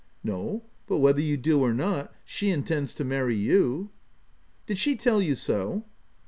" No, but whether you do or not, she intends to marry you." " Did she tell you so